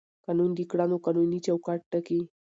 قانون د کړنو قانوني چوکاټ ټاکي.